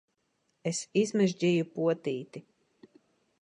Es izmežģīju potīti!